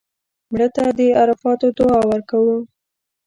مړه ته د عرفاتو دعا ورکوو